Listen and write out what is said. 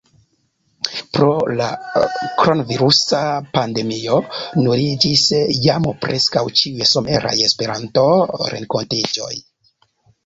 Pro la kronvirusa pandemio nuliĝis jam preskaŭ ĉiuj someraj Esperanto-renkontiĝoj.